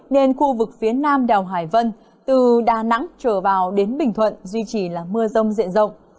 nên khu vực phía nam đèo hải vân từ đà nẵng trở vào đến bình thuận duy trì là mưa rông diện rộng